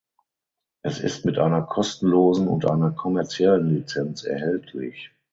Es ist mit einer kostenlosen und einer kommerziellen Lizenz erhältlich.